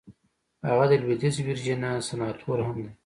هغه د لويديځې ويرجينيا سناتور هم دی.